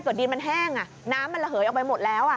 ดินมันแห้งน้ำมันระเหยออกไปหมดแล้ว